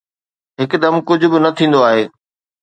هڪدم ڪجهه به نه ٿيندو آهي.